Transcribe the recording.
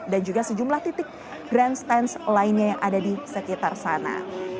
dan juga sejumlah titik grandstand lainnya yang ada di sekitar sana